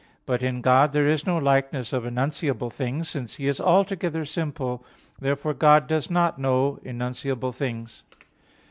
But in God there is no likeness of enunciable things, since He is altogether simple. Therefore God does not know enunciable things.